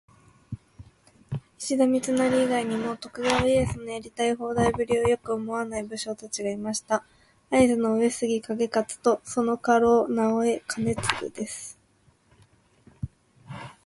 石田三成以外にも、徳川家康のやりたい放題ぶりをよく思わない武将達がいました。会津の「上杉景勝」とその家老「直江兼続」です。